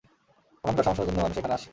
ওখানকার সমস্যার জন্য মানুষ এখানে আসছে।